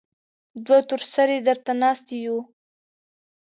دوه تور سرې درته ناستې يو.